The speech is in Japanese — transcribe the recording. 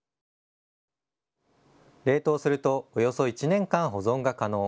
冷凍するとおよそ１年間、保存が可能。